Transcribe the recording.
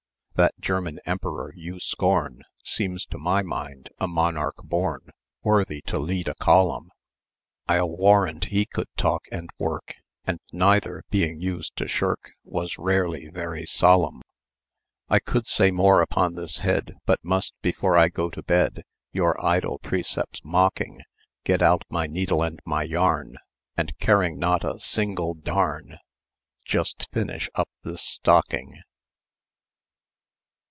"That German emperor you scorn, Seems to my mind a monarch born, Worthy to lead a column; I'll warrant he could talk and work, And, neither being used to shirk, Was rarely very solemn. "I could say more upon this head, But must, before I go to bed. Your idle precepts mocking, Get out my needle and my yarn And, caring not a single darn. Just finish up this stocking."